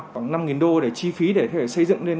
khoảng năm đô để chi phí để xây dựng lên